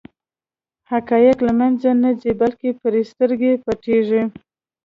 حقایق له منځه نه ځي بلکې پرې سترګې پټېږي.